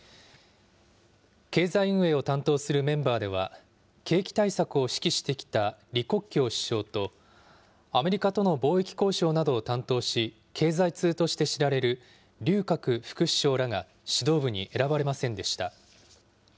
経済運営を担当するメンバーでは、景気対策を指揮してきた李克強首相と、アメリカとの貿易交渉などを担当し、経済通として知られる劉鶴副首相らが指導部に選ばれませんでした。